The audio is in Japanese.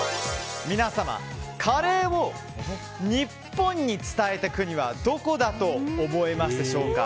皆様、カレーを日本に伝えた国はどこだと思いますでしょうか。